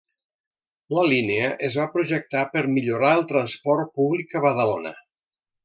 La línia es va projectar per millorar el transport públic a Badalona.